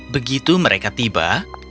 begitu mereka tiba